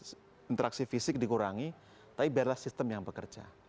proses interaksi fisik dikurangi tapi biarlah sistem yang bekerja